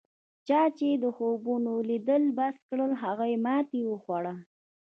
چا چې د خوبونو لیدل بس کړل هغوی ماتې وخوړه.